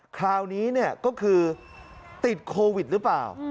คราวนี้ก็คือติดโควิดหรือเปล่า